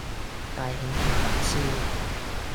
大蜆鐵板燒